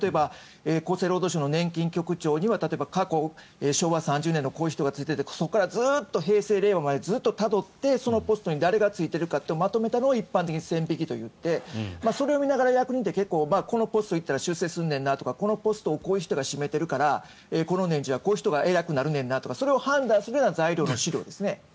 厚生労働省の年金局長には過去、昭和３０年にこういう人が就いていてそこからずっと平成、令和までずっとたどってそのポストに誰が就いているかをまとめたのを一般的に線引きと言ってそれを見ながら官僚ってこのポストに行ったら出世するとかこういうポストをこの人が占めてるから偉くなるねんなとかそれを判断するような材料の資料です。